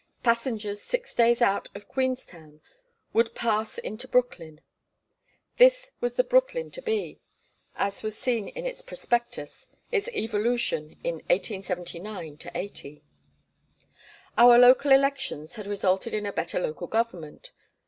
Passengers six days out of Queenstown would pass into Brooklyn. This was the Brooklyn to be, as was seen in its prospectus, its evolution in 1879 80. Our local elections had resulted in a better local government.